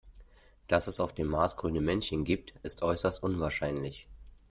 Dass es auf dem Mars grüne Männchen gibt, ist äußerst unwahrscheinlich.